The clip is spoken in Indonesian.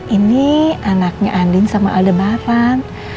ini anaknya andin sama aldebaran